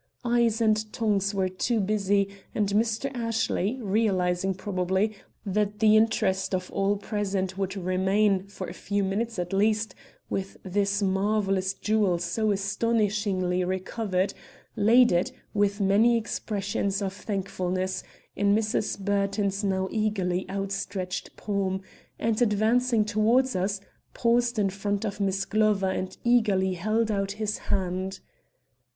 Eyes and tongues were too busy, and Mr. Ashley, realizing, probably, that the interest of all present would remain, for a few minutes at least, with this marvelous jewel so astonishingly recovered, laid it, with many expressions of thankfulness, in Mrs. Burton's now eagerly outstretched palm, and advancing toward us, paused in front of Miss Glover and eagerly held out his hand.